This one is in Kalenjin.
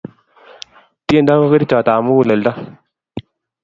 Tyendo ko kerichot ap muguleldo